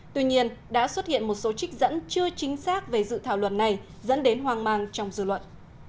tuy nhiên đã xuất hiện một số trích dẫn chưa chính xác về dự thảo luật này dẫn đến hoang mang trong dư luận